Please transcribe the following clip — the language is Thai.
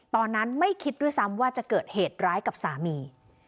ตอนนั้นไม่คิดด้วยซ้ำว่าจะเกิดเหตุร้ายกับสามี